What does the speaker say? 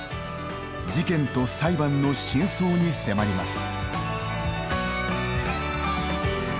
事件と裁判の深層に迫ります。